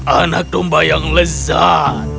anak domba yang lezat